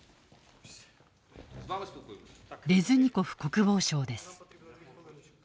レズニコフ国防相です。